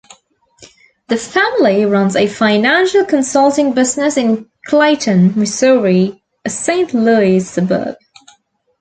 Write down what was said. The family runs a financial consulting business in Clayton, Missouri, a Saint Louis suburb.